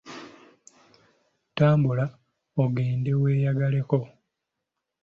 Tambula ogende weeyagaleko